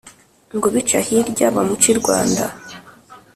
ngo ubica hirya bamuce i rwanda